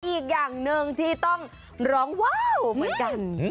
อีกอย่างหนึ่งที่ต้องร้องว้าวเหมือนกัน